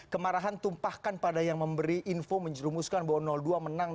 kemarahan tumpahkan pada yang memberi info info yang tidak terkait dengan kemampuan kita di dalam kesehatan kita